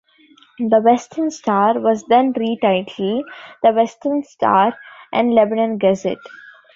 "The Western Star" was then retitled "The Western Star and Lebanon Gazette".